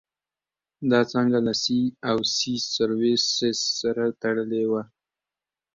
دا څانګه له سي او سي سرویسس سره تړلې وه.